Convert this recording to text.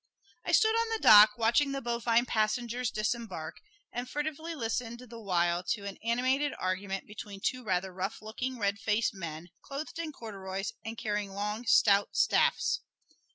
I stood on the dock watching the bovine passengers disembark, and furtively listened the while to an animated argument between two rather rough looking, red faced men, clothed in corduroys and carrying long, stout staffs.